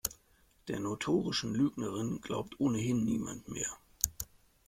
Der notorischen Lügnerin glaubt ohnehin niemand mehr.